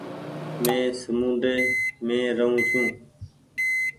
مين سامونڊي مين رهون ڇون ۔